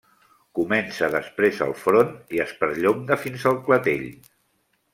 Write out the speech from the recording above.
Comença després el front i es perllonga fins al clatell.